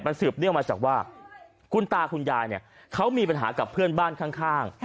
สืบเนื่องมาจากว่าคุณตาคุณยายเนี่ยเขามีปัญหากับเพื่อนบ้านข้าง